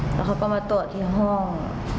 แล้วเขาก็มาตรวจที่ห้อง